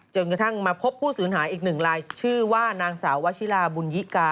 จนกระทั่งมาพบผู้สูญหายอีกหนึ่งลายชื่อว่านางสาววชิลาบุญยิกา